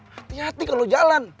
hati hati kalau jalan